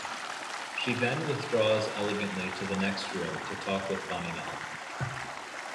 She then withdraws elegantly to the next room to talk with Faninal.